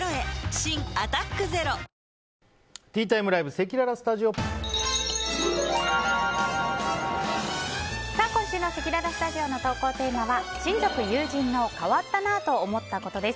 新「アタックＺＥＲＯ」今週のせきららスタジオの投稿テーマは親族・友人の変わったなぁと思ったことです。